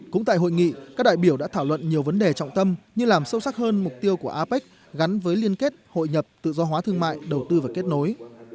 cũng tại hội nghị các đại biểu đã thảo luận nhiều vấn đề trọng tâm như làm sâu sắc hơn mục tiêu của apec gắn với liên kết hội nhập tự do hóa thương mại đầu tư và kết nối